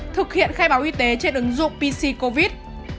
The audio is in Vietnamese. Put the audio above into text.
thực hiện khai báo y tế trên ứng dụng pc covid